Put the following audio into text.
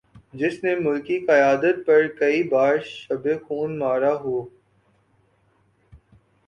جس نے ملکی قیادت پر کئی بار شب خون مارا ہو